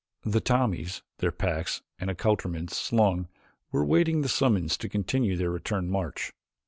The Tommies, their packs and accouterments slung, were waiting the summons to continue their return march.